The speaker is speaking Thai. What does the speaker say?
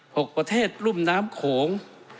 ประเทศรุ่มน้ำโขง